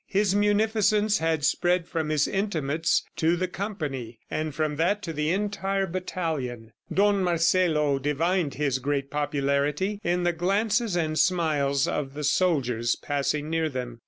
His munificence had spread from his intimates to the company, and from that to the entire battalion. Don Marcelo divined his great popularity in the glances and smiles of the soldiers passing near them.